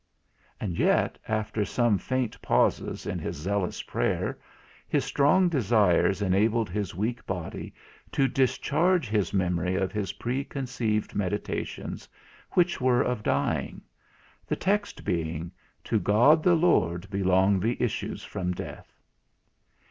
And yet, after some faint pauses in his zealous prayer, his strong desires enabled his weak body to discharge his memory of his preconceived meditations, which were of dying; the text being, "To God the Lord belong the issues from death."